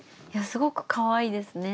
すごくかわいいですね。